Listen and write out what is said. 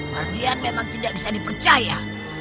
wardian memang tidak bisa dipercaya